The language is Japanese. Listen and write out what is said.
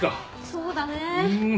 そうだね。